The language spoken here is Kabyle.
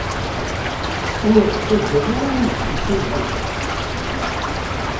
Ur ɣ-ttaǧǧan ara ad nekcem s urti.